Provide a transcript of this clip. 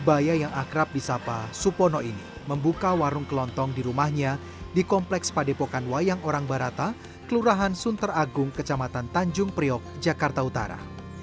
bayi yang akrab di sapa supono ini membuka warung kelontong di rumahnya di kompleks padepokan wayang orang barata kelurahan sunter agung kecamatan tanjung priok jakarta utara